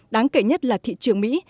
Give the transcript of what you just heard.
đáng kể nhất là thị trường mỹ